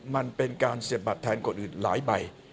มันเป็นการเสียบบัตรแทนคนอื่นหลายใบ